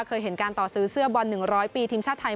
เคยเห็นการต่อซื้อเสื้อบอล๑๐๐ปีทีมชาติไทย